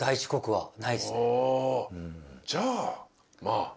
じゃあまあ。